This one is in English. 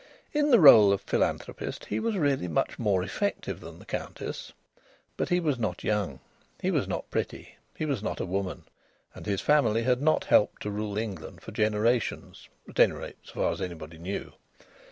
In the rôle of philanthropist he was really much more effective than the Countess. But he was not young, he was not pretty, he was not a woman, and his family had not helped to rule England for generations at any rate, so far as anybody knew.